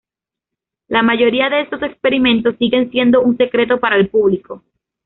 La mayoría de estos experimentos siguen siendo un secreto para el público.